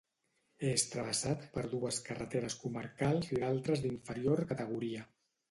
És travessat per dues carreteres comarcals i d'altres d'inferior categoria.